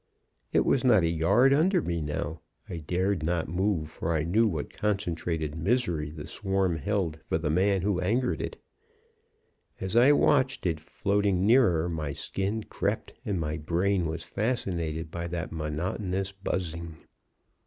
"It was not a yard under me now. I dared not move, for I knew what concentrated misery the swarm held for the man who angered it. As I watched it floating nearer, my skin crept and my; brain was fascinated by that monotonous buzzing.